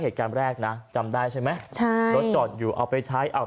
เหตุการณ์แรกนะจำได้ใช่ไหมใช่รถจอดอยู่เอาไปใช้อ่า